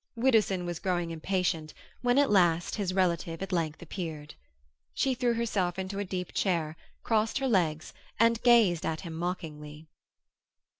Widdowson was growing impatient, when his relative at length appeared. She threw herself into a deep chair, crossed her legs, and gazed at him mockingly.